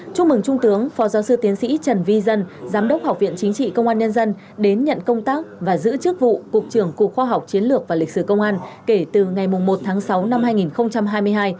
chúc mừng trung tướng phó giáo sư tiến sĩ trần vi dân giám đốc học viện chính trị công an nhân dân đến nhận công tác và giữ chức vụ cục trưởng cục khoa học chiến lược và lịch sử công an kể từ ngày một tháng sáu năm hai nghìn hai mươi hai